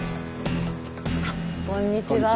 あっこんにちは。